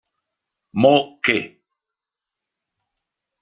Mo Ke